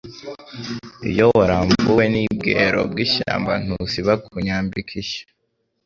Iyo waramvuwe ni Bwero bw'ishyamba ntusiba kunyambika ishya,